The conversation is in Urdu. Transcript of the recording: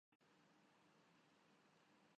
بویا جائے گا، وہاں کاٹا جائے گا۔